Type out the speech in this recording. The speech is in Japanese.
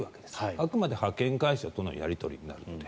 あくまで派遣会社とのやり取りになるので。